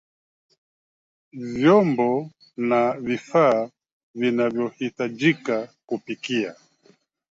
Vyombo na vifaa vinavyahitajika kupika